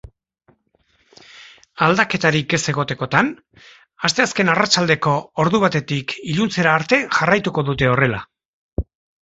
Aldaketarik ez egotekotan, asteazken arratsaldeko ordu batetik iluntzera arte jarraituko dute horrela.